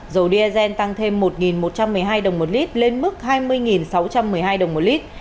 dầu diazen tăng thêm một một trăm một mươi hai đồng một lit lên mức hai mươi sáu trăm một mươi hai đồng một lit